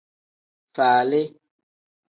Faali.